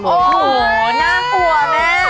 โอ้โหน่ากลัวแม่